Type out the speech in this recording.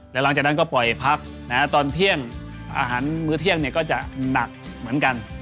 แล้วหลังจากนั้นก็ปล่อยพักตอนเที่ยงอาหารมื้อเที่ยงก็จะหนักเหมือนกัน